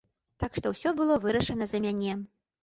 Так што ўсё было вырашана за мяне.